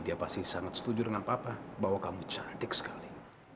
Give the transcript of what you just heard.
dia pasti sangat setuju dengan apa apa bahwa kamu cantik sekali